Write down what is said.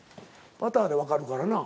パターで分かるからな。